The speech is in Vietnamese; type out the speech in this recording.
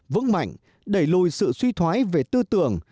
vững mạnh đẩy lùi sự suy thoái về tư tưởng